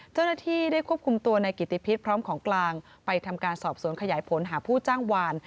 เจ้าหน้าที่ได้ควบคุมตัวในกิติพิษพร้อมของกลางไปทำการสอบสวนขยายผลหาผู้จ้างวาน